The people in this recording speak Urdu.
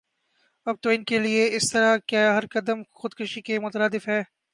اب تو انکےلئے اسطرح کا ہر قدم خودکشی کے مترادف ہے